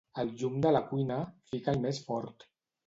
El llum de la cuina, fica'l més fort.